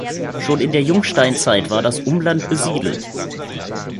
Schon in der Jungsteinzeit war das Umland besiedelt.